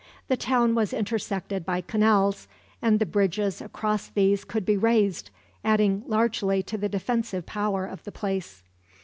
The town was intersected by canals, and the bridges across these could be raised, adding largely to the defensive power of the place.